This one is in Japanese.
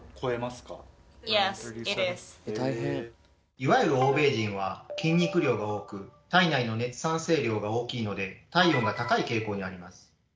いわゆる欧米人は筋肉量が多く体内の熱産生量が大きいので体温が高い傾向にあります。